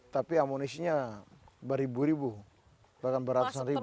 tapi amunisinya beribu ribu bahkan beratusan ribu